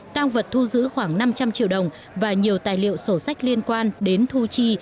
tăng vật thu giữ khoảng năm trăm linh triệu đồng và nhiều tài liệu sổ sách liên quan đến thu chi